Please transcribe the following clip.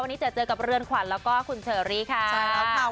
วันนี้จะเจอเจอกับเรือนขวัญแล้วก็คุณเชอรี่ค่ะใช่แล้วค่ะ